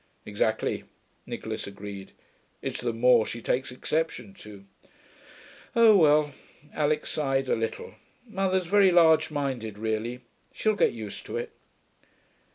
'Exactly,' Nicholas agreed. 'It's the "more" she takes exception to.' 'Oh well,' Alix sighed a little. 'Mother's very large minded, really. She'll get used to it.'